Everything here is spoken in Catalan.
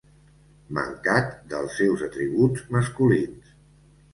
Mancat dels seus atributs masculins.